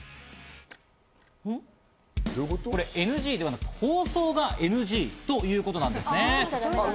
ＮＧではなく放送がＮＧということなんです。